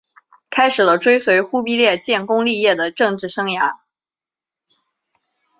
开始了追随忽必烈建功立业的政治生涯。